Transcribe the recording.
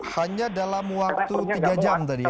hanya dalam waktu tiga jam tadi ya